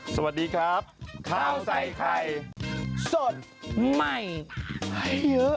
สวัสดีครับข้าวใส่ไข่สดใหม่ให้เยอะ